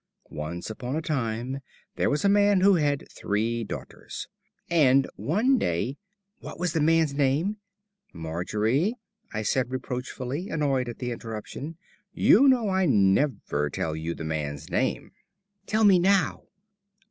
"Once upon a time there was a man who had three daughters. And one day " "What was the man's name?" "Margery," I said reproachfully, annoyed at the interruption, "you know I never tell you the man's name." "Tell me now."